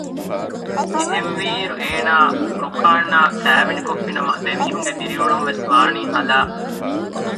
އެހެންވީއިރު އޭނާ ރުކާންއާ ކައިވެނިކޮށްފިނަމަ ދެމީހުންގެ ދިރިއުޅުންވެސް ވާނީ ހަލާއް